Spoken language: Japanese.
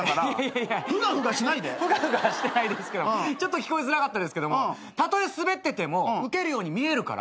ふがふがはしてないですけどちょっと聞こえづらかったですけどたとえスベっててもウケるように見えるから。